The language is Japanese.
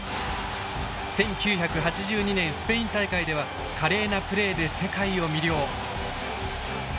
１９８２年スペイン大会では華麗なプレーで世界を魅了。